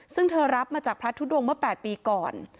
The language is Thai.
ซึ่งเธอรับมาจากพระทุดงเมื่อ๘ปีก่อน